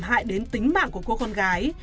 hại đến tính mạng của cô con gái